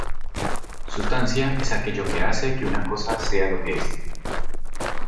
Sustancia es aquello que hace que una cosa sea lo que es.